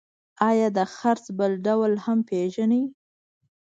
آیا د څرخ بل ډول هم پیژنئ؟